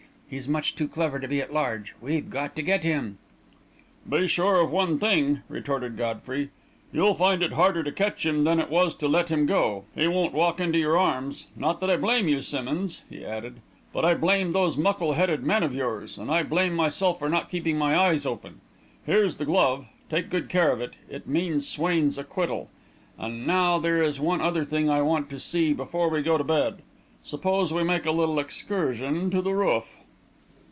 He's much too clever to be at large. We've got to get him!" "Be sure of one thing," retorted Godfrey. "You'll find it harder to catch him than it was to let him go! He won't walk into your arms. Not that I blame you, Simmonds," he added; "but I blame those muckle headed men of yours and I blame myself for not keeping my eyes open. Here's the glove take good care of it. It means Swain's acquittal. And now there is one other thing I want to see before we go to bed. Suppose we make a little excursion to the roof."